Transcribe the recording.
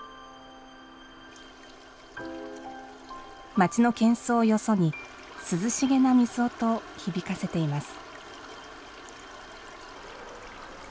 街の喧騒をよそに涼しげな水音を響かせています。